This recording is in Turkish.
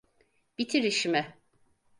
Bitir işimi.